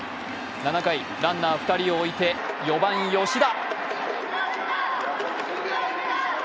７回、ランナー２人を置いて４番・吉田。